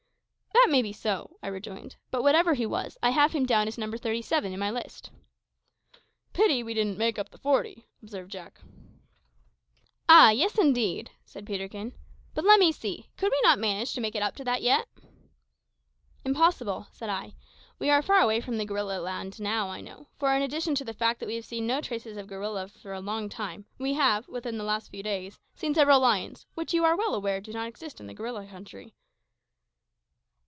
"That may be so," I rejoined; "but whatever he was, I have him down as number thirty seven in my list." "Pity we didn't make up the forty," observed Jack. "Ah! yes indeed," said Peterkin. "But let me see: could we not manage to make it up to that yet?" "Impossible," said I. "We are far away from the gorilla land now, I know; for, in addition to the fact that we have seen no traces of gorillas for a long time, we have, within the last few days, seen several lions, which, you are well aware, do not exist in the gorilla country."